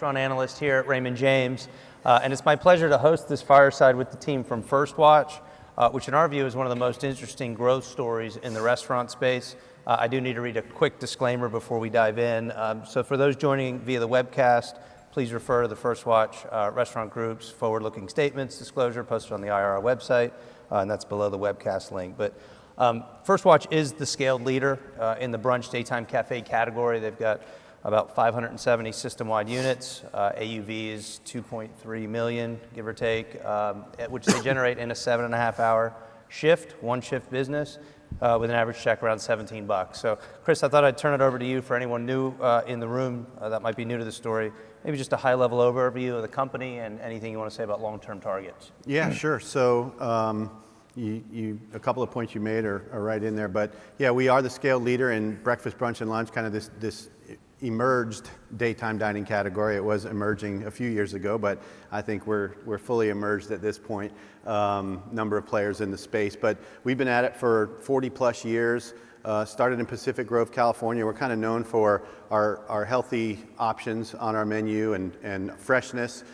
Restaurant analyst here at Raymond James. And it's my pleasure to host this fireside with the team from First Watch, which in our view is one of the most interesting growth stories in the restaurant space. I do need to read a quick disclaimer before we dive in. So for those joining via the webcast, please refer to the First Watch Restaurant Group's forward-looking statements disclosure posted on the IR website, and that's below the webcast link. But First Watch is the scaled leader in the brunch daytime café category. They've got about 570 system-wide units, AUVs $2.3 million, give or take, which they generate in a seven-and-a-half-hour shift, one-shift business, with an average check around $17. So Chris, I thought I'd turn it over to you for anyone new in the room that might be new to the story, maybe just a high-level overview of the company and anything you want to say about long-term targets. Yeah, sure. So a couple of points you made are right in there. But yeah, we are the scaled leader in breakfast, brunch, and lunch, kind of this emerged daytime dining category. It was emerging a few years ago, but I think we're fully emerged at this point, number of players in the space. But we've been at it for 40-plus years, started in Pacific Grove, California. We're kind of known for our healthy options on our menu and freshness.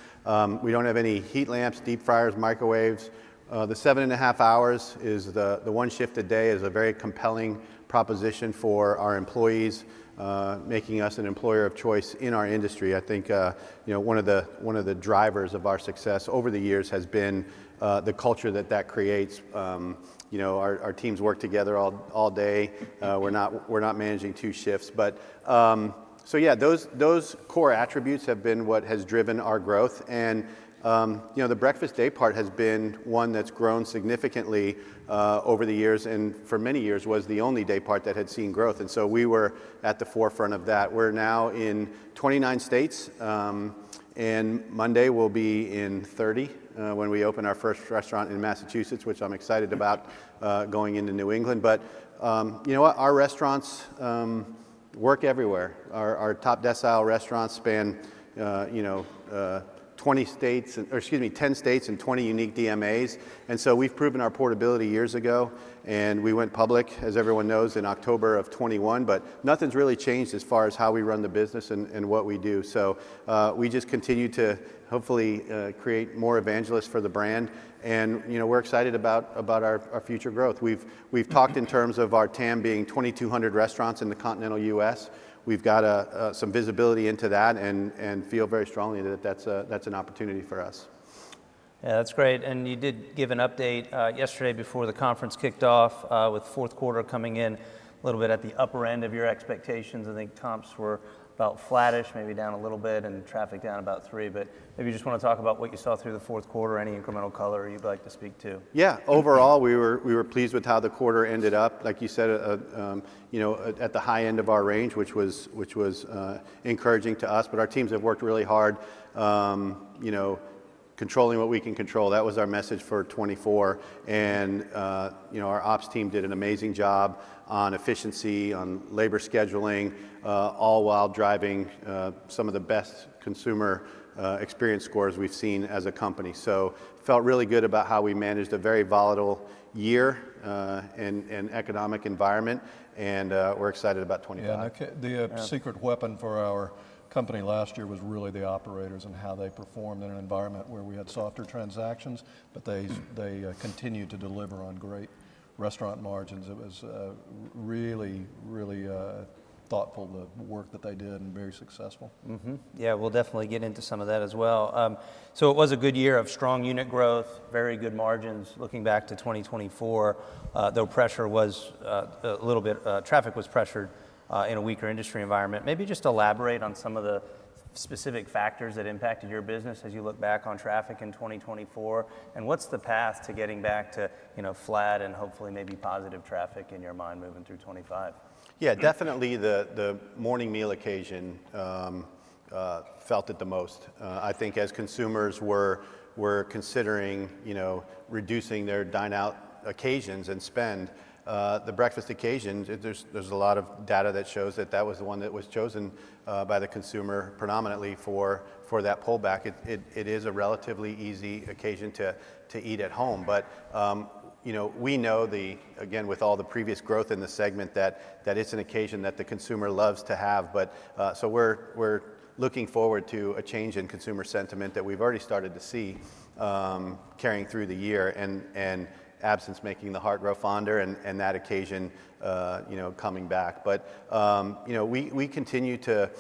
We don't have any heat lamps, deep fryers, microwaves. The seven-and-a-half hours, the one shift a day, is a very compelling proposition for our employees, making us an employer of choice in our industry. I think one of the drivers of our success over the years has been the culture that that creates. Our teams work together all day. We're not managing two shifts. So yeah, those core attributes have been what has driven our growth. And the breakfast daypart has been one that's grown significantly over the years and for many years was the only daypart that had seen growth. And so we were at the forefront of that. We're now in 29 states, and Monday we'll be in 30 when we open our first restaurant in Massachusetts, which I'm excited about going into New England. But you know what? Our restaurants work everywhere. Our top decile restaurants span 10 states and 20 unique DMAs. And so we've proven our portability years ago, and we went public, as everyone knows, in October of 2021. But nothing's really changed as far as how we run the business and what we do. So we just continue to hopefully create more evangelists for the brand. And we're excited about our future growth. We've talked in terms of our TAM being 2,200 restaurants in the Continental United States. We've got some visibility into that and feel very strongly that that's an opportunity for us. Yeah, that's great, and you did give an update yesterday before the conference kicked off with fourth quarter coming in a little bit at the upper end of your expectations. I think comps were about flattish, maybe down a little bit, and traffic down about three, but maybe you just want to talk about what you saw through the fourth quarter, any incremental color you'd like to speak to. Yeah. Overall, we were pleased with how the quarter ended up. Like you said, at the high end of our range, which was encouraging to us. But our teams have worked really hard controlling what we can control. That was our message for 2024. And our ops team did an amazing job on efficiency, on labor scheduling, all while driving some of the best consumer experience scores we've seen as a company. So felt really good about how we managed a very volatile year and economic environment. And we're excited about 2025. Yeah. The secret weapon for our company last year was really the operators and how they performed in an environment where we had softer transactions, but they continued to deliver on great restaurant margins. It was really, really thoughtful, the work that they did, and very successful. Yeah, we'll definitely get into some of that as well. So it was a good year of strong unit growth, very good margins looking back to 2024, though pressure was a little bit, traffic was pressured in a weaker industry environment. Maybe just elaborate on some of the specific factors that impacted your business as you look back on traffic in 2024, and what's the path to getting back to flat and hopefully maybe positive traffic in your mind moving through 2025? Yeah, definitely the morning meal occasion felt it the most. I think as consumers were considering reducing their dine-out occasions and spend, the breakfast occasion, there's a lot of data that shows that that was the one that was chosen by the consumer predominantly for that pullback. It is a relatively easy occasion to eat at home. But we know, again, with all the previous growth in the segment, that it's an occasion that the consumer loves to have. So we're looking forward to a change in consumer sentiment that we've already started to see carrying through the year and absence making the heart grow fonder and that occasion coming back. But we continue to,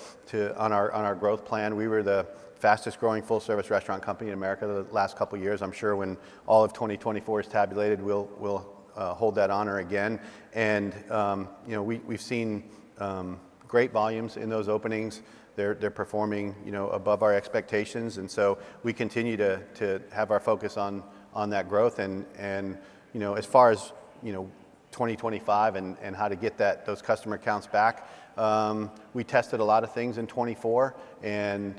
on our growth plan, we were the fastest-growing full-service restaurant company in America the last couple of years. I'm sure when all of 2024 is tabulated, we'll hold that honor again. We've seen great volumes in those openings. They're performing above our expectations. We continue to have our focus on that growth. As far as 2025 and how to get those customer counts back, we tested a lot of things in 2024, and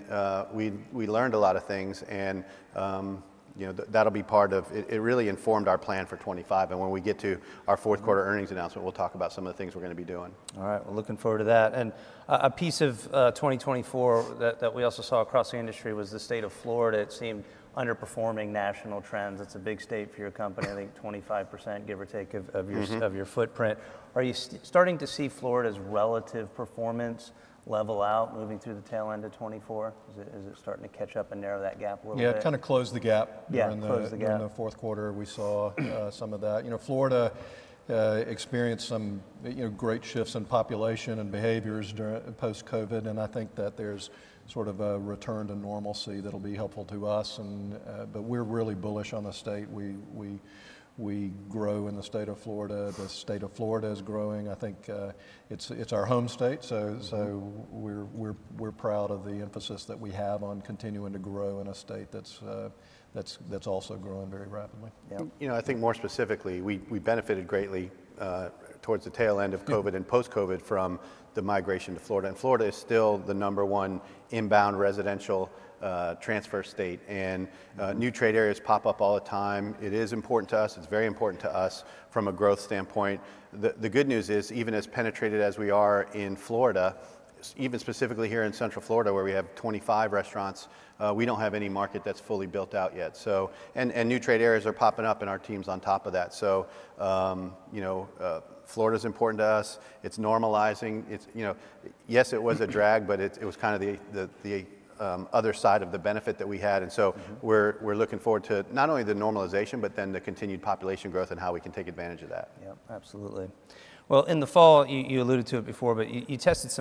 we learned a lot of things. That'll be part of it, really informed our plan for 2025. When we get to our fourth quarter earnings announcement, we'll talk about some of the things we're going to be doing. All right. Well, looking forward to that. And a piece of 2024 that we also saw across the industry was the state of Florida. It seemed underperforming national trends. It's a big state for your company, I think 25%, give or take, of your footprint. Are you starting to see Florida's relative performance level out moving through the tail end of 2024? Is it starting to catch up and narrow that gap a little bit? Yeah, it kind of closed the gap. Yeah, it closed the gap. In the fourth quarter, we saw some of that. Florida experienced some great shifts in population and behaviors post-COVID, and I think that there's sort of a return to normalcy that'll be helpful to us, but we're really bullish on the state. We grow in the state of Florida. The state of Florida is growing. I think it's our home state, so we're proud of the emphasis that we have on continuing to grow in a state that's also growing very rapidly. I think more specifically, we benefited greatly towards the tail end of COVID and post-COVID from the migration to Florida. And Florida is still the number one inbound residential transfer state. And new trade areas pop up all the time. It is important to us. It's very important to us from a growth standpoint. The good news is, even as penetrated as we are in Florida, even specifically here in Central Florida, where we have 25 restaurants, we don't have any market that's fully built out yet. And new trade areas are popping up in our DMAs on top of that. So Florida is important to us. It's normalizing. Yes, it was a drag, but it was kind of the other side of the benefit that we had. We're looking forward to not only the normalization, but then the continued population growth and how we can take advantage of that. Yeah, absolutely. Well, in the fall, you alluded to it before, but you tested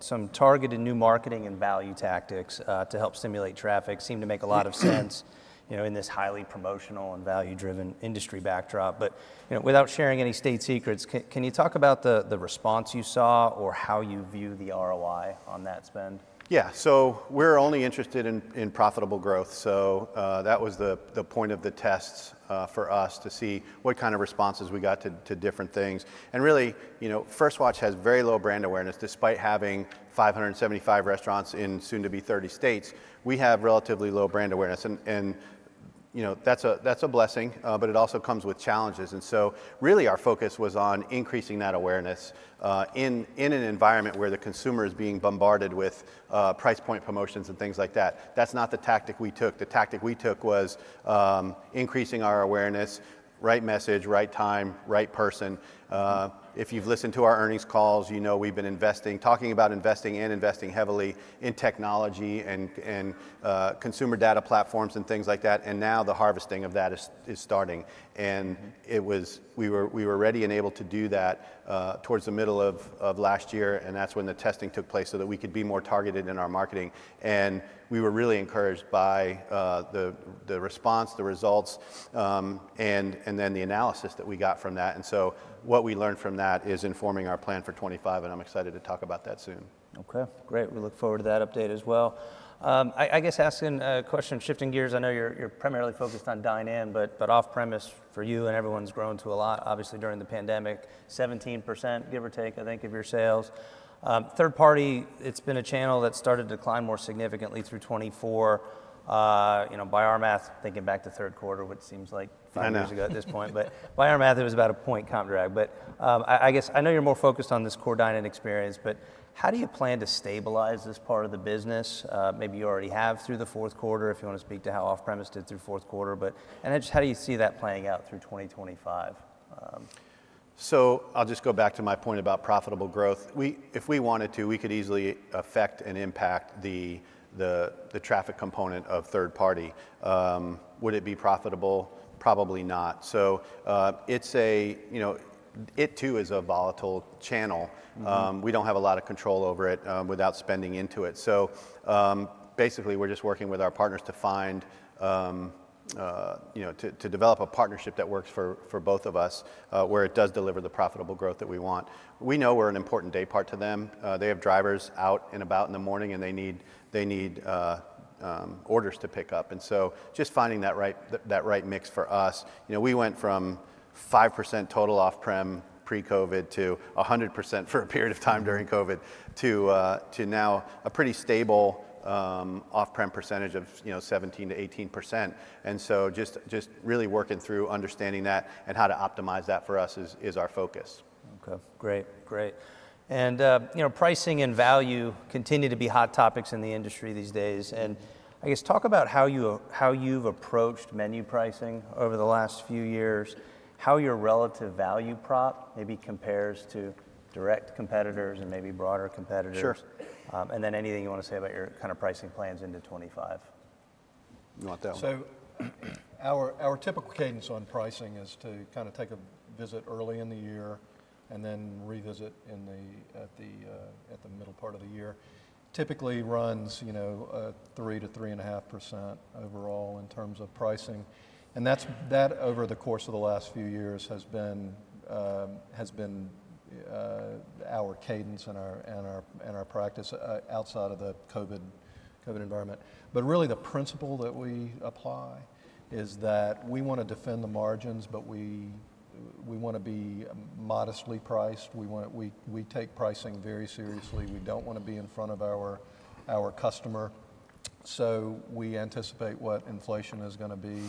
some targeted new marketing and value tactics to help stimulate traffic. Seemed to make a lot of sense in this highly promotional and value-driven industry backdrop. But without sharing any state secrets, can you talk about the response you saw or how you view the ROI on that spend? Yeah. So we're only interested in profitable growth. So that was the point of the tests for us to see what kind of responses we got to different things. And really, First Watch has very low brand awareness. Despite having 575 restaurants in soon-to-be 30 states, we have relatively low brand awareness. And that's a blessing, but it also comes with challenges. And so really our focus was on increasing that awareness in an environment where the consumer is being bombarded with price point promotions and things like that. That's not the tactic we took. The tactic we took was increasing our awareness, right message, right time, right person. If you've listened to our earnings calls, you know we've been investing, talking about investing and investing heavily in technology and consumer data platforms and things like that. And now the harvesting of that is starting. We were ready and able to do that towards the middle of last year. That's when the testing took place so that we could be more targeted in our marketing. We were really encouraged by the response, the results, and then the analysis that we got from that. What we learned from that is informing our plan for 2025. I'm excited to talk about that soon. Okay. Great. We look forward to that update as well. I guess asking a question, shifting gears. I know you're primarily focused on dine-in, but off-premise for you and everyone's grown to a lot, obviously during the pandemic, 17%, give or take, I think, of your sales. Third-party, it's been a channel that started to decline more significantly through 2024. By our math, thinking back to third quarter, what seems like five years ago at this point. But by our math, it was about a point comp drag. But I guess I know you're more focused on this core dine-in experience, but how do you plan to stabilize this part of the business? Maybe you already have through the fourth quarter if you want to speak to how off-premise did through fourth quarter. And how do you see that playing out through 2025? So I'll just go back to my point about profitable growth. If we wanted to, we could easily affect and impact the traffic component of third-party. Would it be profitable? Probably not. So it too is a volatile channel. We don't have a lot of control over it without spending into it. So basically, we're just working with our partners to develop a partnership that works for both of us where it does deliver the profitable growth that we want. We know we're an important daypart to them. They have drivers out and about in the morning, and they need orders to pick up, and so just finding that right mix for us. We went from 5% total off-premise pre-COVID to 100% for a period of time during COVID to now a pretty stable off-premise percentage of 17%-18%.Just really working through understanding that and how to optimize that for us is our focus. Okay. Great. Great. And pricing and value continue to be hot topics in the industry these days. And I guess talk about how you've approached menu pricing over the last few years, how your relative value prop maybe compares to direct competitors and maybe broader competitors. And then anything you want to say about your kind of pricing plans into 2025? Not that one. So our typical cadence on pricing is to kind of take a visit early in the year and then revisit at the middle part of the year. Typically runs 3%-3.5% overall in terms of pricing. And that over the course of the last few years has been our cadence and our practice outside of the COVID environment. But really the principle that we apply is that we want to defend the margins, but we want to be modestly priced. We take pricing very seriously. We don't want to be in front of our customer. So we anticipate what inflation is going to be,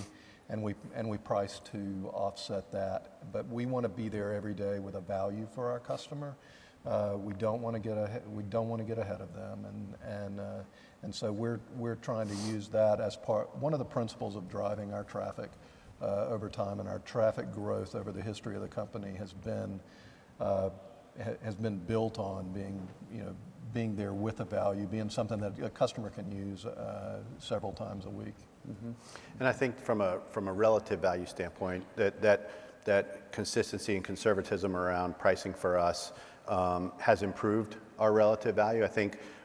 and we price to offset that. But we want to be there every day with a value for our customer. We don't want to get ahead of them. And so we're trying to use that as part one of the principles of driving our traffic over time. And our traffic growth over the history of the company has been built on being there with a value, being something that a customer can use several times a week. I think from a relative value standpoint, that consistency and conservatism around pricing for us has improved our relative value. I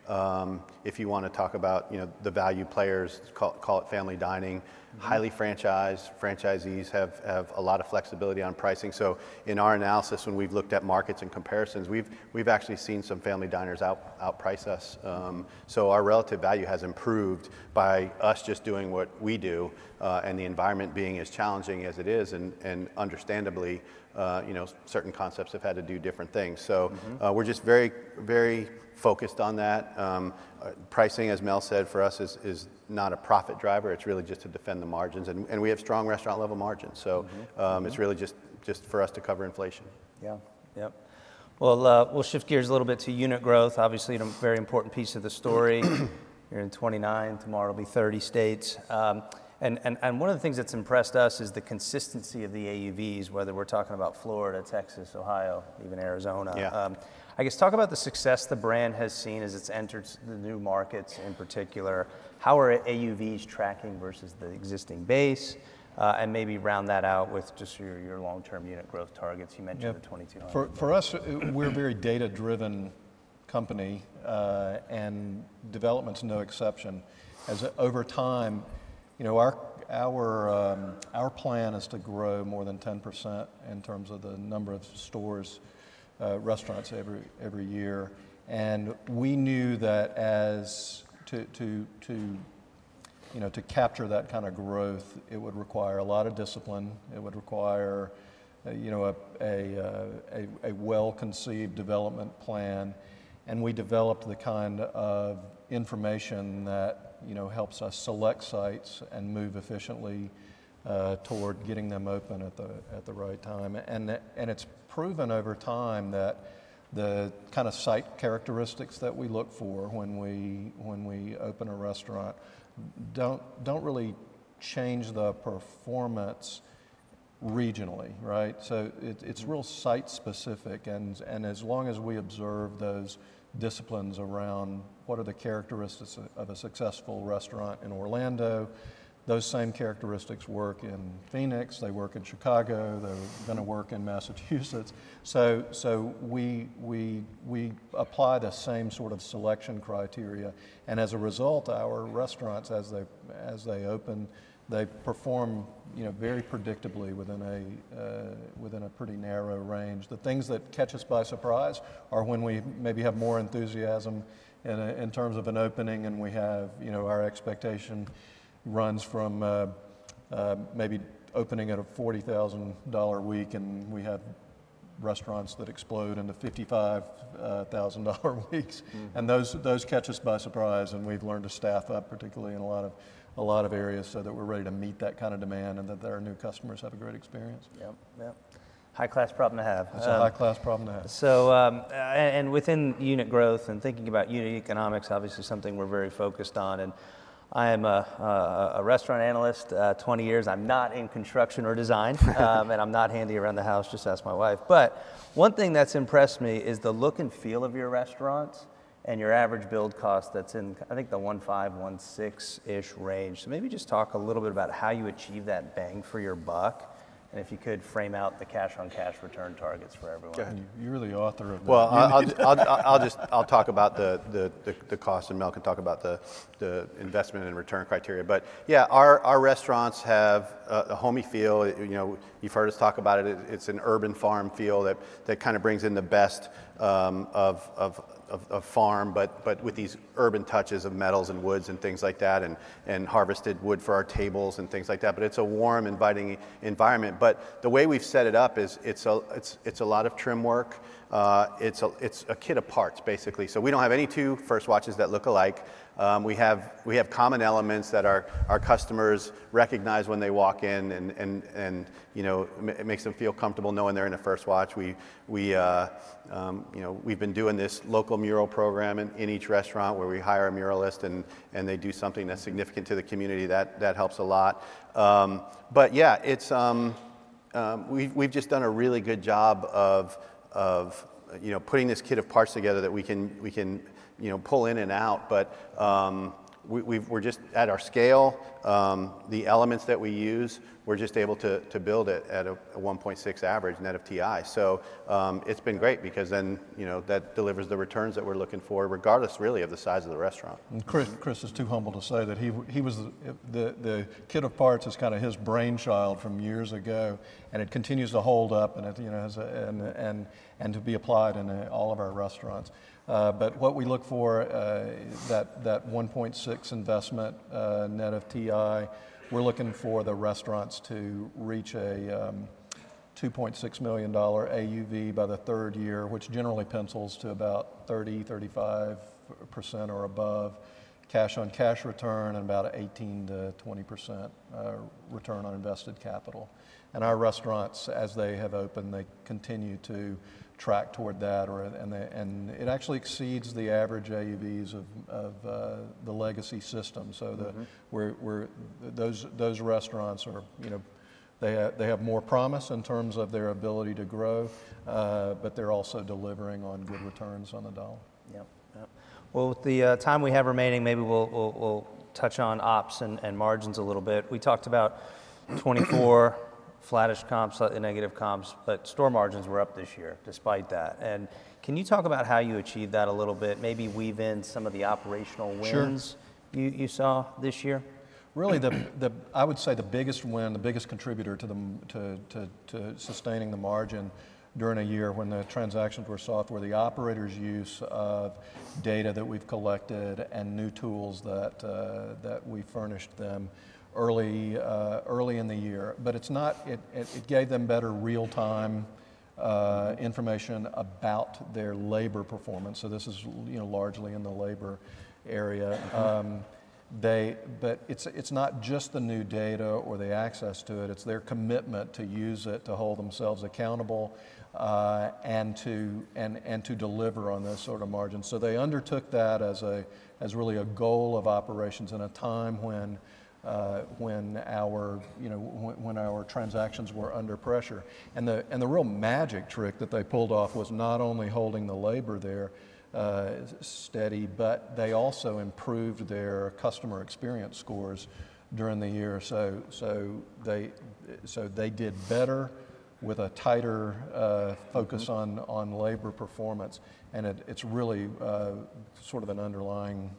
think if you want to talk about the value players, call it family dining, highly franchised, franchisees have a lot of flexibility on pricing. So in our analysis, when we've looked at markets and comparisons, we've actually seen some family diners outprice us. So our relative value has improved by us just doing what we do and the environment being as challenging as it is. And understandably, certain concepts have had to do different things. So we're just very focused on that. Pricing, as Mel said, for us is not a profit driver. It's really just to defend the margins. And we have strong restaurant-level margins. So it's really just for us to cover inflation. Yeah. Yep. Well, we'll shift gears a little bit to unit growth. Obviously, a very important piece of the story. You're in 29. Tomorrow will be 30 states. One of the things that's impressed us is the consistency of the AUVs, whether we're talking about Florida, Texas, Ohio, even Arizona. I guess talk about the success the brand has seen as it's entered the new markets in particular. How are AUVs tracking versus the existing base? And maybe round that out with just your long-term unit growth targets. You mentioned the 2,200. For us, we're a very data-driven company, and development's no exception. Over time, our plan is to grow more than 10% in terms of the number of stores, restaurants every year, and we knew that to capture that kind of growth, it would require a lot of discipline. It would require a well-conceived development plan, and we developed the kind of information that helps us select sites and move efficiently toward getting them open at the right time. It's proven over time that the kind of site characteristics that we look for when we open a restaurant don't really change the performance regionally, so it's real site-specific, and as long as we observe those disciplines around what are the characteristics of a successful restaurant in Orlando, those same characteristics work in Phoenix. They work in Chicago. They're going to work in Massachusetts. So we apply the same sort of selection criteria. And as a result, our restaurants, as they open, they perform very predictably within a pretty narrow range. The things that catch us by surprise are when we maybe have more enthusiasm in terms of an opening and we have our expectation runs from maybe opening at a $40,000 week and we have restaurants that explode into $55,000 weeks. And those catch us by surprise. And we've learned to staff up, particularly in a lot of areas, so that we're ready to meet that kind of demand and that our new customers have a great experience. Yep. Yep. High-class problem to have. It's a high-class problem to have. And within unit growth and thinking about unit economics, obviously something we're very focused on. And I am a restaurant analyst, 20 years. I'm not in construction or design. And I'm not handy around the house. Just ask my wife. But one thing that's impressed me is the look and feel of your restaurants and your average build cost that's in, I think, the $1.5-$1.6-ish range. So maybe just talk a little bit about how you achieve that bang for your buck. And if you could frame out the cash-on-cash return targets for everyone. You're the author of my book. Well, I'll talk about the cost and Mel can talk about the investment and return criteria. But yeah, our restaurants have a homey feel. You've heard us talk about it. It's an urban farm feel that kind of brings in the best of farm, but with these urban touches of metals and woods and things like that and harvested wood for our tables and things like that. But it's a warm, inviting environment. But the way we've set it up is it's a lot of trim work. It's a kit of parts, basically. So we don't have any two First Watches that look alike. We have common elements that our customers recognize when they walk in and it makes them feel comfortable knowing they're in a First Watch. We've been doing this local mural program in each restaurant where we hire a muralist and they do something that's significant to the community. That helps a lot. But yeah, we've just done a really good job of putting this kit of parts together that we can pull in and out. But we're just at our scale, the elements that we use, we're just able to build it at a 1.6 average, net of TI. So it's been great because then that delivers the returns that we're looking for regardless really of the size of the restaurant. And Chris is too humble to say that the kit of parts is kind of his brainchild from years ago. And it continues to hold up and to be applied in all of our restaurants. But what we look for, that $1.6 million investment, net of TI, we're looking for the restaurants to reach a $2.6 million AUV by the third year, which generally pencils to about 30%-35% or above, cash-on-cash return and about 18%-20% return on invested capital. And our restaurants, as they have opened, they continue to track toward that. And it actually exceeds the average AUVs of the legacy system. So those restaurants, they have more promise in terms of their ability to grow, but they're also delivering on good returns on the dollar. Yep. Yep. Well, with the time we have remaining, maybe we'll touch on ops and margins a little bit. We talked about 2024, flattish comps, slightly negative comps, but store margins were up this year despite that. And can you talk about how you achieved that a little bit, maybe weave in some of the operational wins you saw this year? Really, I would say the biggest win, the biggest contributor to sustaining the margin during a year when the transactions were soft were the operators' use of data that we've collected and new tools that we furnished them early in the year. But it gave them better real-time information about their labor performance. So this is largely in the labor area. But it's not just the new data or the access to it. It's their commitment to use it to hold themselves accountable and to deliver on those sort of margins. So they undertook that as really a goal of operations in a time when our transactions were under pressure. And the real magic trick that they pulled off was not only holding the labor there steady, but they also improved their customer experience scores during the year. So they did better with a tighter focus on labor performance. And it's really sort of an underlying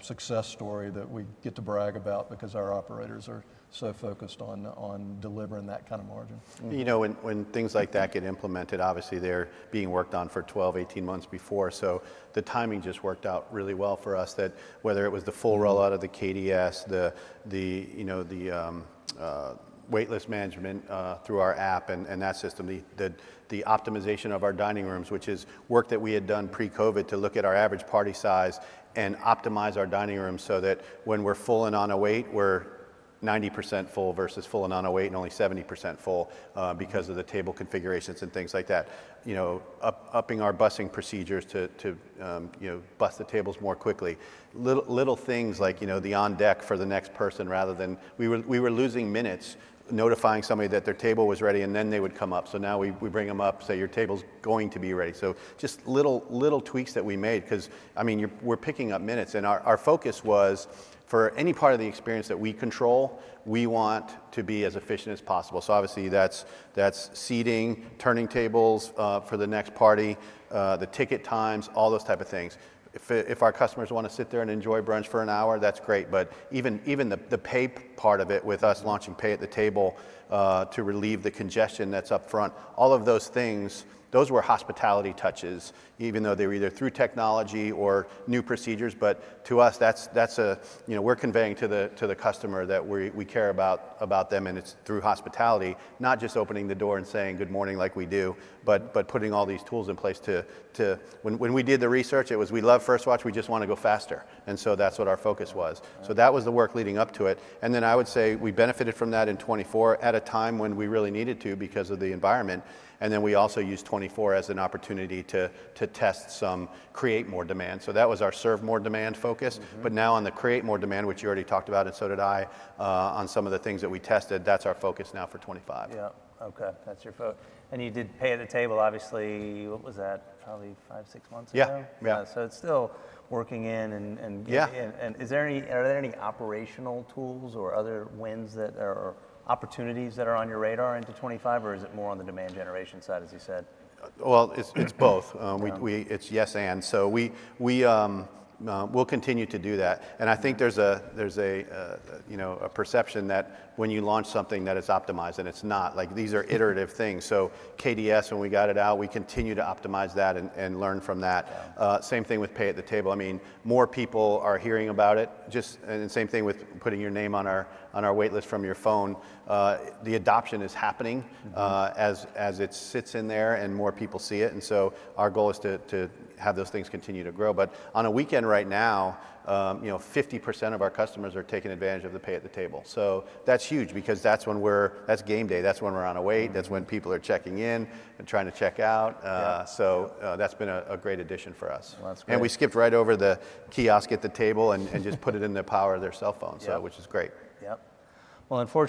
success story that we get to brag about because our operators are so focused on delivering that kind of margin. You know, when things like that get implemented, obviously they're being worked on for 12, 18 months before. So the timing just worked out really well for us that whether it was the full rollout of the KDS, the waitlist management through our app and that system, the optimization of our dining rooms. Which is work that we had done pre-COVID to look at our average party size and optimize our dining rooms so that when we're full and on a wait, we're 90% full versus full and on a wait and only 70% full because of the table configurations and things like that, upping our bussing procedures to buss the tables more quickly. Little things like the on-deck for the next person rather than we were losing minutes notifying somebody that their table was ready and then they would come up. So now we bring them up, say, "Your table's going to be ready." So just little tweaks that we made because, I mean, we're picking up minutes. And our focus was for any part of the experience that we control, we want to be as efficient as possible. So obviously that's seating, turning tables for the next party, the ticket times, all those types of things. If our customers want to sit there and enjoy brunch for an hour, that's great. But even the pay part of it with us launching pay at the table to relieve the congestion that's upfront, all of those things, those were hospitality touches, even though they were either through technology or new procedures. But to us, we're conveying to the customer that we care about them and it's through hospitality, not just opening the door and saying, "Good morning," like we do, but putting all these tools in place to when we did the research, it was, "We love First Watch. We just want to go faster." And so that's what our focus was. So that was the work leading up to it. And then I would say we benefited from that in 2024 at a time when we really needed to because of the environment. And then we also used 2024 as an opportunity to test some, create more demand. So that was our serve more demand focus. But now on the create more demand, which you already talked about, and so did I, on some of the things that we tested, that's our focus now for 2025. Yep. Okay. That's your focus and you did pay at the table, obviously. What was that? Probably five, six months ago? Yeah. Yeah. So it's still working in. And are there any operational tools or other wins that are opportunities that are on your radar into 2025, or is it more on the demand generation side, as you said? Well, it's both. It's yes and, so we'll continue to do that, and I think there's a perception that when you launch something that is optimized and it's not, like these are iterative things. So, KDS, when we got it out, we continue to optimize that and learn from that. Same thing with pay at the table. I mean, more people are hearing about it, and same thing with putting your name on our waitlist from your phone. The adoption is happening as it sits in there and more people see it, and so our goal is to have those things continue to grow. But on a weekend right now, 50% of our customers are taking advantage of the pay at the table, so that's huge because that's when we're that's game day. That's when we're on a wait. That's when people are checking in and trying to check out. That's been a great addition for us. We skipped right over the kiosk at the table and just put it in the power of their cell phone, which is great. Yep. Well, and for.